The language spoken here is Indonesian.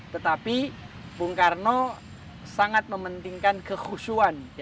tetapi bung karno sangat mementingkan kehusuan